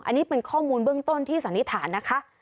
อันนี้เป็นข้อมูลเบื้องต้นที่สันนิษฐานนะคะ